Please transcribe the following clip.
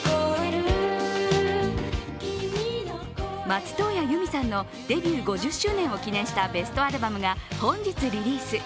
松任谷由実さんのデビュー５０周年を記念したベストアルバムが本日リリース。